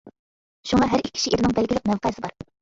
شۇڭا ھەر ئىككى شېئىرنىڭ بەلگىلىك مەۋقەسى بار.